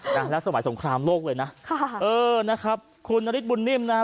นะแล้วสมัยสงครามโลกเลยนะค่ะเออนะครับคุณนฤทธบุญนิ่มนะฮะ